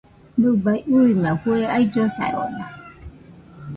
Nɨbaɨ ɨima fue aillosarona.